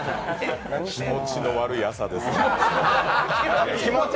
気持ちの悪い朝ですね。